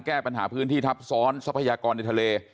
แก้ปัญหาพื้นที่ทับซ้อนทรัพยากรในทะเล